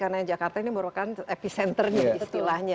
karena jakarta ini merupakan epicenternya istilahnya